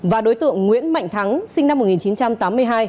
và đối tượng nguyễn mạnh thắng sinh năm một nghìn chín trăm tám mươi hai